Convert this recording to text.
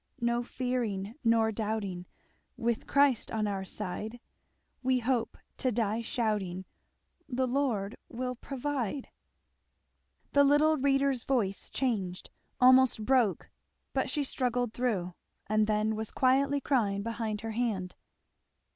No fearing nor doubting, With Christ on our side, We hope to die shouting, The Lord will provide." The little reader's voice changed, almost broke, but she struggled through, and then was quietly crying behind her hand.